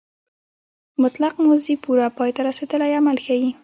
مطلق ماضي پوره پای ته رسېدلی عمل ښيي.